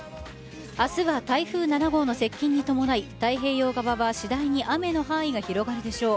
明日は台風７号の接近に伴い太平洋側は次第に雨の範囲が広がるでしょう。